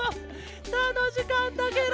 たのしかったケロ。